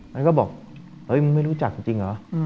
มันก็บอกมึงไม่รู้จักจริงเหรอ